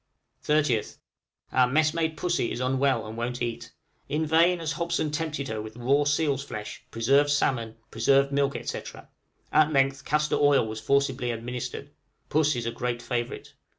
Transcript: {THE SICK LIST.} 30th. Our messmate Pussy is unwell, and won't eat; in vain has Hobson tempted her with raw seal's flesh, preserved salmon, preserved milk, etc.; at length castor oil was forcibly administered. Puss is a great favorite.